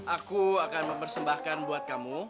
aku akan mempersembahkan buat kamu